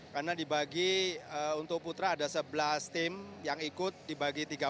karena dibagi untuk putra ada sebelas tim yang ikut dibagi tiga puluh